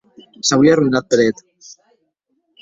S’auie arroïnat per eth.